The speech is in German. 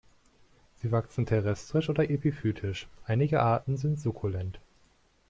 Sie wachsen terrestrisch oder epiphytisch; einige Arten sind sukkulent.